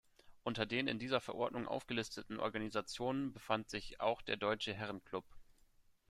Unter den in dieser Verordnung aufgelisteten Organisationen befand sich auch der Deutsche Herrenklub.